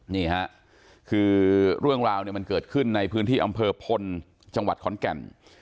นี่ฮะคือเรื่องราวเนี่ยมันเกิดขึ้นในพื้นที่อำเภอพลจังหวัดขอนแก่น